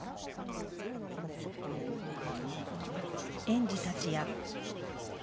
園児たちや。